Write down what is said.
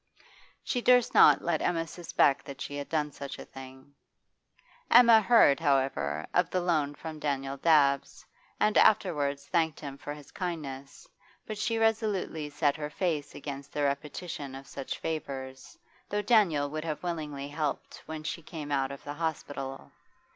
She durst not let Emma suspect that she had done such a thing. Emma heard, however, of the loan from Daniel Dabbs, and afterwards thanked him for his kindness, but she resolutely set her face against the repetition of such favours, though Daniel would have willingly helped when she came out of the hospital.